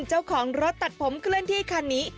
เจ้าของรถตัดผมเคลื่อนที่คันนี้